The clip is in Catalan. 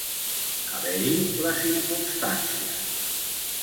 Haver-hi la circumstància.